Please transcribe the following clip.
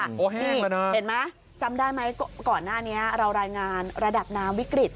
โอ้โหแห้งแล้วนะเห็นไหมจำได้ไหมก่อนหน้านี้เรารายงานระดับน้ำวิกฤต